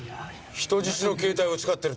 人質の携帯を使ってるって事か。